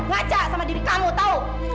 ngaca sama diri kamu tahu